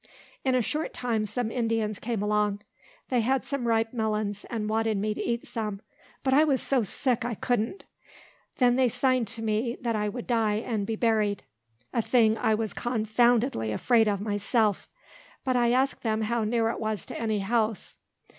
In a short time some Indians came along. They had some ripe melons, and wanted me to eat some, but I was so sick I couldn't. They then signed to me, that I would die, and be buried; a thing I was confoundedly afraid of myself. But I asked them how near it was to any house?